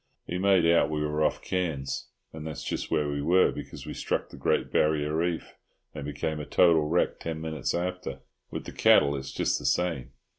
He made out we were off Cairns, and that's just where we were; because we struck the Great Barrier Reef, and became a total wreck ten minutes after. With the cattle it's just the same.